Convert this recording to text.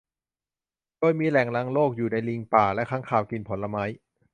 โดยมีแหล่งรังโรคอยู่ในลิงป่าและค้างคาวกินผลไม้